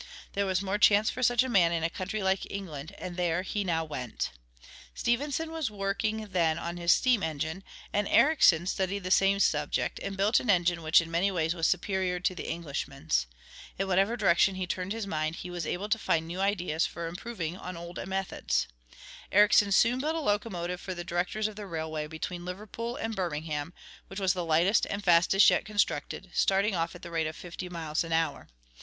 There was more chance for such a man in a country like England, and there he now went. Stephenson was working then on his steam engine, and Ericsson studied the same subject, and built an engine which in many ways was superior to the Englishman's. In whatever direction he turned his mind he was able to find new ideas for improving on old methods. Ericsson soon built a locomotive for the directors of the railway between Liverpool and Birmingham which was the lightest and fastest yet constructed, starting off at the rate of fifty miles an hour.